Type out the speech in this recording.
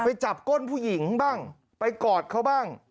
ไปจับก้นผู้หญิงบ้างไปกอดเขาบ้าง